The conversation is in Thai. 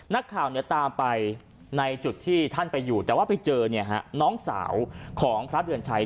นักข่าวตามไปในจุดที่ท่านไปอยู่แต่ว่าไปเจอน้องสาวของพระเดือนชัย